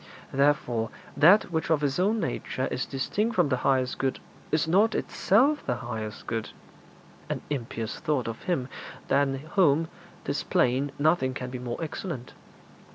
Therefore that which of its own nature is distinct from the highest good is not itself the highest good an impious thought of Him than whom, 'tis plain, nothing can be more excellent.